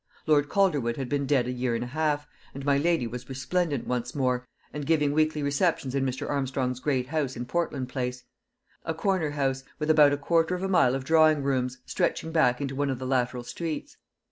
Lord Calderwood had been dead a year and a half, and my lady was resplendent once more, and giving weekly receptions in Mr. Armstrong's great house in Portland place a corner house, with about a quarter of a mile of drawing rooms, stretching back into one of the lateral streets.